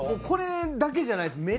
これだけじゃないです。